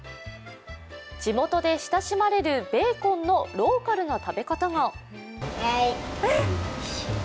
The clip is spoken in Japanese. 地元で親しまれるベーコンのローカルな食べ方が。